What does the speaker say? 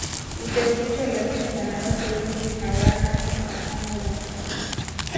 ujauzito lakini wanawake wengi hawana ufahamu wa